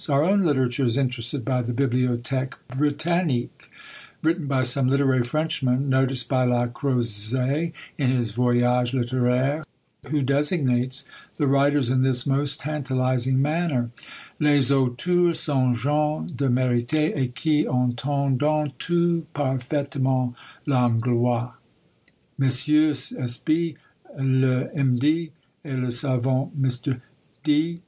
Our own literature is interested by the "Bibliothèque Britannique," written by some literary Frenchmen, noticed by La Croze, in his "Voyage Littéraire," who designates the writers in this most tantalising manner: "Les auteurs sont gens de mérite, et qui entendent tous parfaitement l'Anglois; Messrs. S.B., le M.D., et le savant Mr. D."